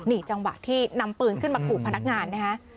นี่จังหวะที่นำปืนขึ้นมาขู่พนักงานนะฮะ